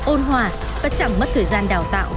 ôn hòa và chẳng mất thời gian đào tạo